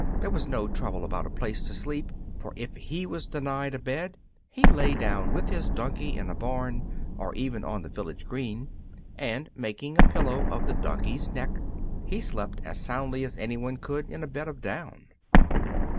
There was no trouble about a place to sleep, for if he was denied a bed he lay down with the donkey in a barn, or even on the village green, and making a pillow of the donkey's neck he slept as soundly as anyone could in a bed of down.